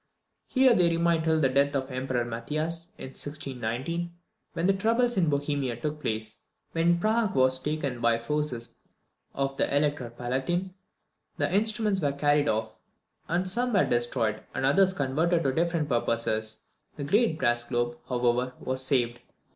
Here they remained till the death of the Emperor Matthias, in 1619, when the troubles in Bohemia took place. When Prague was taken by the forces of the Elector Palatine, the instruments were carried off, and some were destroyed, and others converted to different purposes. The great brass globe, however, was saved.